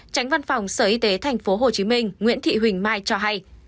tránh văn phòng sở y tế tp hcm nguyễn thị huỳnh mai cho hay